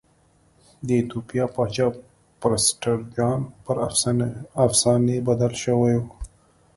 د ایتوپیا پاچا پرسټر جان پر افسانې بدل شوی و.